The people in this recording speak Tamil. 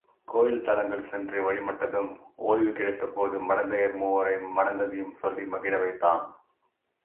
கோயில் தலங்கள் சென்று வழிமட்டதும், ஒய்வு கிடைக்த போது மடந்தையர் மூவரை மணந்ததையும் சொல்லி மகிழ வைத்தான்.